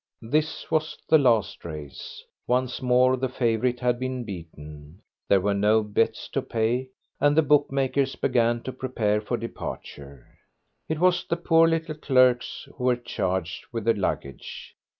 This was the last race. Once more the favourite had been beaten; there were no bets to pay, and the bookmakers began to prepare for departure. It was the poor little clerks who were charged with the luggage.